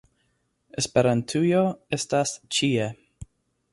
- Esperantujo estas ĉie!